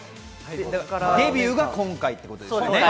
デビューが今回ってことですよね？